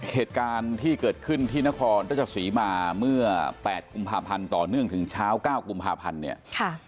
เหตุการณ์ที่เกิดขึ้นที่นครราชศรีมาเมื่อ๘กุมภาพันธ์ต่อเนื่องถึงเช้า๙กุมภาพันธ์เนี่ย